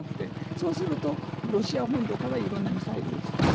そうすると、ロシア本土からいろんなミサイルを使う。